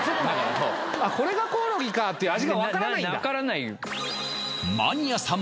これがコオロギかっていう味がわからないんだ